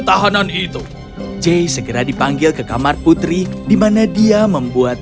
tahanan itu j segera dipanggil ke kamar putri dimana dia membuat